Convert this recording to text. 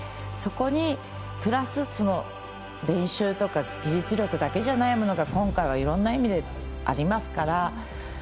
そこにプラス練習とか技術力だけじゃないものが今回はいろんな意味でありますから。